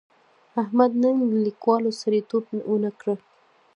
احمد نن له کلیوالو سړیتیوب و نه کړ.